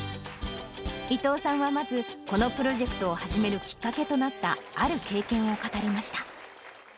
伊藤さんはまず、このプロジェクトを始めるきっかけとなった、ある経験を語りました。